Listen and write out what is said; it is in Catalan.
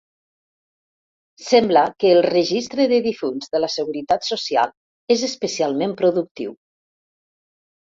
Sembla que el registre de difunts de la Seguretat Social és especialment productiu.